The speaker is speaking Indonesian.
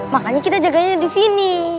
makanya kita jagainya disini